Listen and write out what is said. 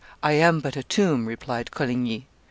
"I am but a tomb," replied Coligny.